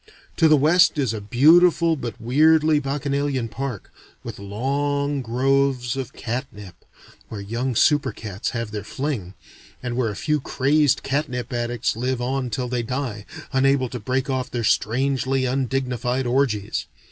To the west is a beautiful but weirdly bacchanalian park, with long groves of catnip, where young super cats have their fling, and where a few crazed catnip addicts live on till they die, unable to break off their strangely undignified orgies.